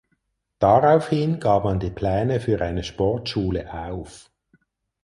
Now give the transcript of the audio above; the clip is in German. Daraufhin gab man die Pläne für eine Sportschule auf.